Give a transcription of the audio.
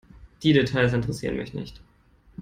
Die Details interessieren mich nicht.